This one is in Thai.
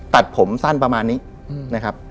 ตัดผมสั้นประมาณนี้นะครับ